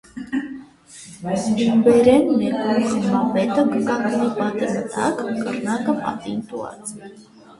Խումբերէն մէկուն խմբապետը կը կանգնի պատի մը տակ, կռնակը պատին տուած։